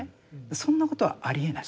そんなことはありえない。